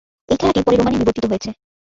এই খেলাটি পরে রোমান -এ বিবর্তিত হয়েছে।